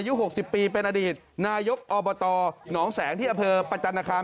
อายุ๖๐ปีเป็นอดีตนายกอบตหนองแสงที่อำเภอประจันทคาม